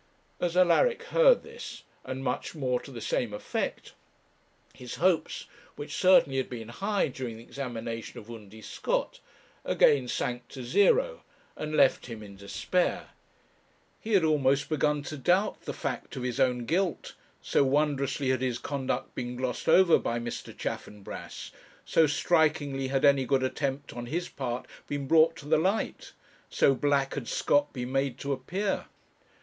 As Alaric heard this, and much more to the same effect, his hopes, which certainly had been high during the examination of Undy Scott, again sank to zero, and left him in despair. He had almost begun to doubt the fact of his own guilt, so wondrously had his conduct been glossed over by Mr. Chaffanbrass, so strikingly had any good attempt on his part been brought to the light, so black had Scott been made to appear.